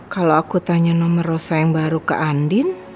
kalau aku tanya nomor rosa yang baru ke andin